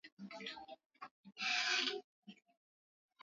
badiliko dhidi ya pombe au huhisi badiliko dhidi ya kokeni mara moja